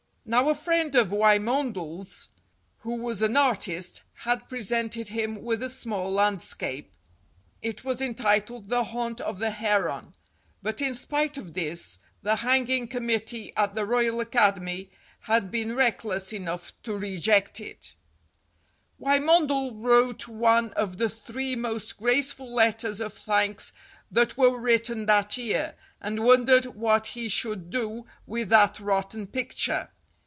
Now a friend of Wymondel's, who was an artist, had presented him with a small landscape. It was entitled, "The Haunt of the Heron," but in spite of this the hanging committee at the Royal Academy had been reckless enough to reject it. 181 182 STORIES WITHOUT TEARS Wymondel wrote one of the three most graceful letters of thanks that were written that year, and wondered what he should do with that rotten picture.